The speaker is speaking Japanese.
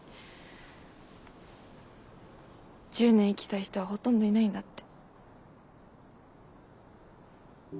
１０年生きた人はほとんどいないんだって。